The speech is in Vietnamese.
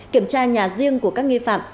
kiểm tra nhà riêng của các nghi phạm